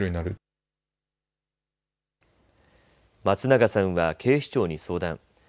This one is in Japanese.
松永さんは警視庁に相談。